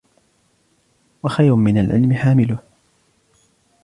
وَخَيْرٌ مِنْ الْعِلْمِ حَامِلُهُ